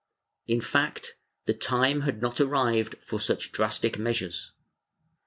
"^ In fact, the time had not arrived for such drastic measures.